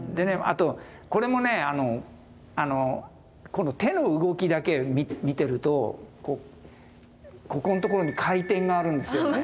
あとこれもねこの手の動きだけ見てるとここんところに回転があるんですよね。